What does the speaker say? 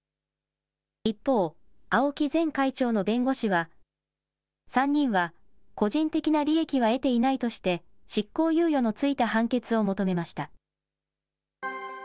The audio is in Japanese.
一方、青木前会長の弁護士は、３人は個人的な利益は得ていないとして、執行猶予の付いた判決を求めました。